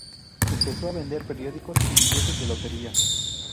Empezó a vender periódicos y billetes de lotería.